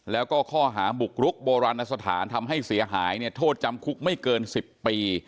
แล้วก็ข้อหาบุกรุกโบราณสถานทำให้เสียหายโทษจำคุกไม่เกิน๑๐ปี